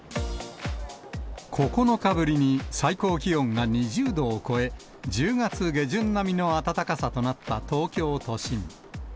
９日ぶりに最高気温が２０度を超え、１０月下旬並みの暖かさとなった東京都心。